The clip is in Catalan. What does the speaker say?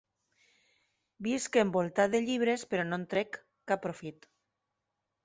Visc envoltat de llibres però no en trec cap profit.